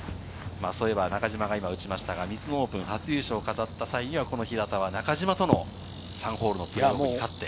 中島が打ちましたが、ミズノオープン初優勝を飾った際には平田は中島との３ホールのプレーオフに勝って。